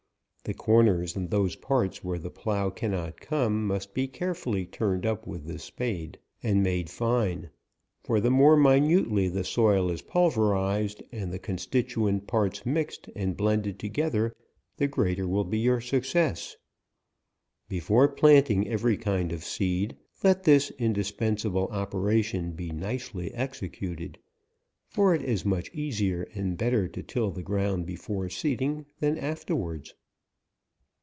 The corners and those parts where the plough cannot come, must be carefully turned up with the spade, and made fine ; for the more minutely the soil is pulverized, and the con 56 APRIL. stituent parts mixed and blended together, the greater will be your success. Before planting every kind of seed, let this indispen sable operation be nicely executed, for it is much easier and better to till the ground be fore seeding than afterwards.